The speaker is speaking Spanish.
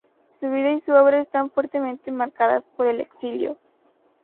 Su vida y su obra están fuertemente marcadas por el exilio.